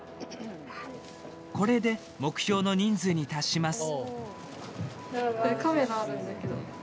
これで目標の人数に達します。